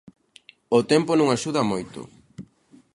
O tempo non axuda moito.